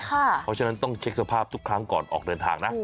เพราะฉะนั้นต้องเช็คสภาพทุกครั้งก่อนออกเดินทางนะ